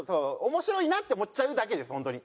面白いなって思っちゃうだけです本当に。